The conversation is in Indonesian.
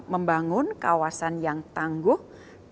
membangun kawasan yang tanggung